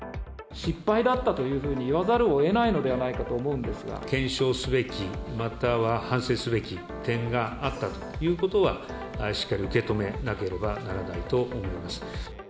失敗だったというふうにいわざるをえないのではないかと思い検証すべき、または反省すべき点があったということは、しっかり受け止めなければならないと思います。